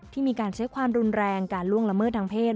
มีการใช้ความรุนแรงการล่วงละเมิดทางเพศ